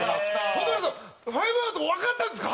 蛍原さん、ファイブアウトわかったんですか？